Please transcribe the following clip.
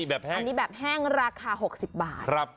แบบนี้แบบแห้งราคา๖๐บาท